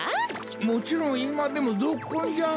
もちろんいまでもぞっこんじゃ！